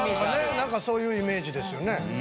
何かそういうイメージですよね。